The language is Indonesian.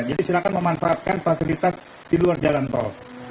silahkan memanfaatkan fasilitas di luar jalan tol